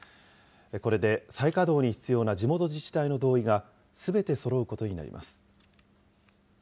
これで再稼働に必要な地元自治体の同意がすべてそろうことになります。